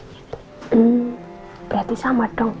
hmm berarti sama dong